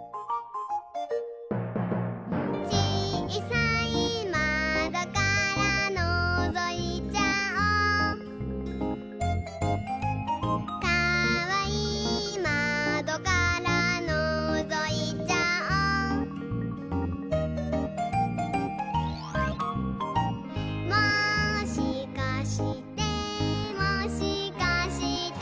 「ちいさいまどからのぞいちゃおう」「かわいいまどからのぞいちゃおう」「もしかしてもしかして」